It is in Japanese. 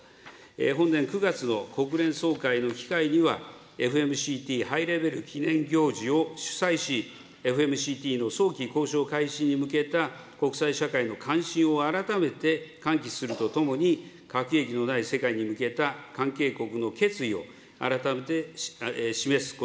本年９月の国連総会の機会には、ＦＭＣＴハイレベル記念行事を主催し、ＦＭＣＴの早期交渉開始に向けた国際社会の関心を改めて喚起するとともに、核兵器のない世界に向けた関係国の決意を改めて示すこ